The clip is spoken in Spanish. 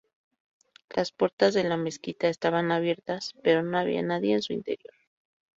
Las puertas de la mezquita estaban abiertas, pero no había nadie en su interior.